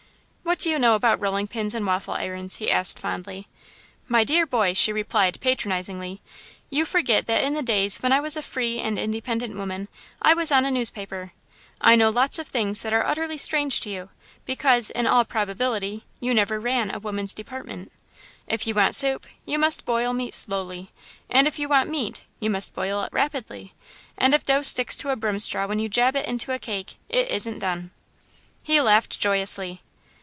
"What do you know about rolling pins and waffle irons?" he asked fondly. "My dear boy," she replied, patronisingly, "you forget that in the days when I was a free and independent woman, I was on a newspaper. I know lots of things that are utterly strange to you, because, in all probability, you never ran a woman's department. If you want soup, you must boil meat slowly, and if you want meat, you must boil it rapidly, and if dough sticks to a broom straw when you jab it into a cake, it isn't done." He laughed joyously.